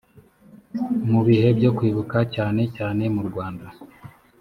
mu bihe byo kwibbuka cyanne cyane murwanda